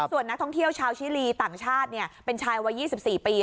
ส่วนนักท่องเที่ยวชาวชิลีต่างชาติเป็นชายวัย๒๔ปี